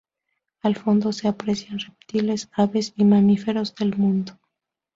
Al fondo se aprecian reptiles, aves y mamíferos del mundo.